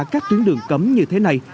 các tuyến đường cấm như thế này